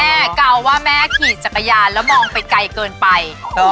เกาว่าแม่ขี่จักรยานแล้วมองไปไกลเกินไป